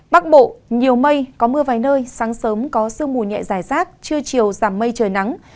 bắc bộ nhiều mây có mưa vài nơi sáng sớm có sương mù nhẹ dài rác trưa chiều giảm mây trời nắng